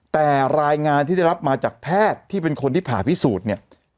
แต่รายงานที่ได้รับมาจากแพทย์ที่เป็นคนที่ผ่าพิสูจน์เนี่ย